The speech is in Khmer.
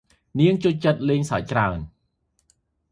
នាងចូលចិត្តលេងសើចច្រើន។